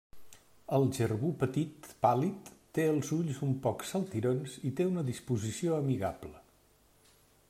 El jerbu petit pàl·lid té els ulls un poc saltirons i té una disposició amigable.